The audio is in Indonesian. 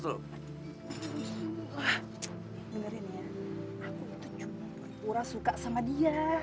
dengar ini ya aku itu cuma murah suka sama dia